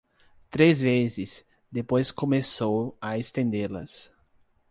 Três vezes; depois começou a estendê-las.